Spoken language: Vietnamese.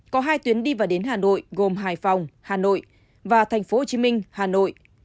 có hai tuyến đi và đến hà nội gồm hải phòng hà nội và tp hcm hà nội